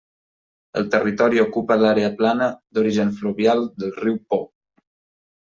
El territori ocupa l'àrea plana d'origen fluvial del riu Po.